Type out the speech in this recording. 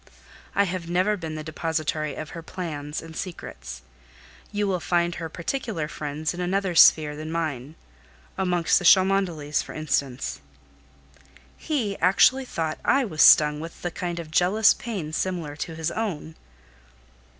I have never been the depositary of her plans and secrets. You will find her particular friends in another sphere than mine: amongst the Cholmondeleys, for instance." He actually thought I was stung with a kind of jealous pain similar to his own!